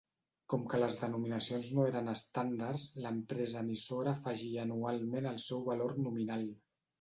Com que les denominacions no eren estàndards, l'empresa emissora afegia anualment el seu valor nominal.